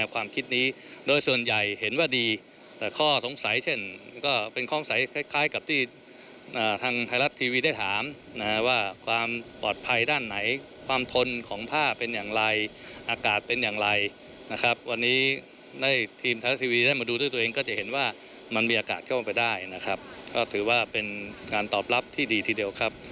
ก็จะเห็นว่ามันมีอากาศเข้าไปได้นะครับก็ถือว่าเป็นการตอบรับที่ดีทีเดียวครับ